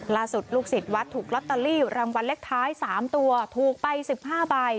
ลูกศิษย์วัดถูกลอตเตอรี่รางวัลเลขท้าย๓ตัวถูกไป๑๕ใบ